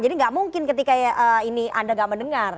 jadi gak mungkin ketika ini anda gak mendengar